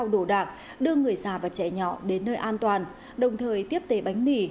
đưa người già và trẻ nhỏ đến nơi an toàn đồng thời tiếp tế bánh mì